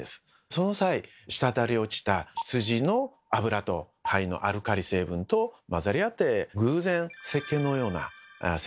その際滴り落ちた「羊の脂」と「灰のアルカリ成分」と混ざり合って偶然せっけんのような成分が出来上がった。